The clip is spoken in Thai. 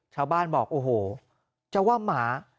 ชาวบ้านบอกโอ้โหจะว่าหมา